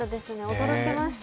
驚きました。